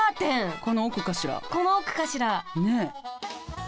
この奥かしら。